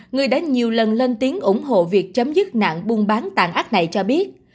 người đã nhiều lần lên tiếng ủng hộ việc chấm dứt nạn buôn bán tàn ác này cho biết